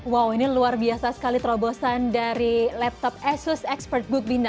wow ini luar biasa sekali terobosan dari laptop asus expertbook b sembilan